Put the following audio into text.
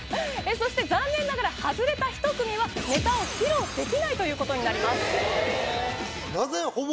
そして残念ながら外れた１組はネタを披露できないということになりますええー？